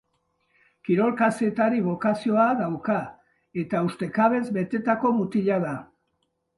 Kirol kazetari bokazioa dauka eta ustekabez betetako mutila da.